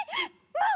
まあ！